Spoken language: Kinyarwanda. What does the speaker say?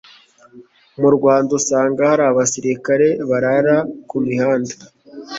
Mu Rwanda usanga hari abasirikare barara kumihanda